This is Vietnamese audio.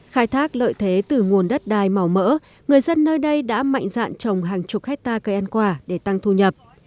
khai thác lợi thế từ nguồn đất đai màu mỡ người dân nơi đây đã mạnh dạn trồng hàng chục hectare cây ăn quả để tăng thu nhập